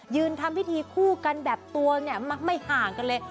ทำพิธีคู่กันแบบตัวเนี่ยมักไม่ห่างกันเลย